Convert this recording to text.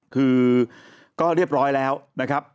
คือก็เรียบร้อยแล้วนะครับ